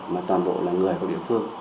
mà toàn bộ là người của địa phương